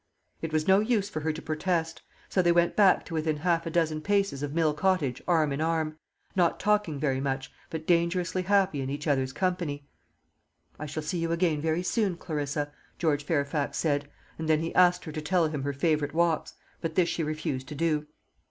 It was no use for her to protest; so they went back to within half a dozen paces of Mill Cottage arm in arm; not talking very much, but dangerously happy in each other's company. "I shall see you again very soon, Clarissa," George Fairfax said. And then he asked her to tell him her favourite walks; but this she refused to do.